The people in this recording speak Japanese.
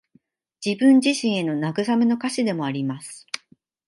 自分自身への慰めの歌詞でもあります。